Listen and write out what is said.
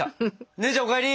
姉ちゃんお帰り。